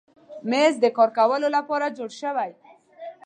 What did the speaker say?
مېز د کار کولو لپاره جوړ شوی.